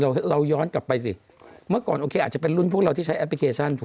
มันไม่มีมันเงียบอยู่